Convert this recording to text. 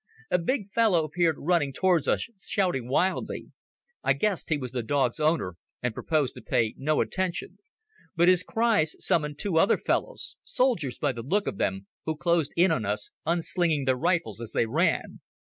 A big fellow appeared running towards us, shouting wildly. I guessed he was the dog's owner, and proposed to pay no attention. But his cries summoned two other fellows—soldiers by the look of them—who closed in on us, unslinging their rifles as they ran.